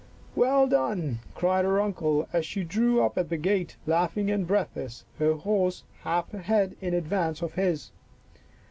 " Well done," cried her uncle as she drew up at the gate, laughing and breathless, her horse half a head in advance of his.